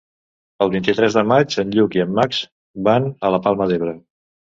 El vint-i-tres de maig en Lluc i en Max van a la Palma d'Ebre.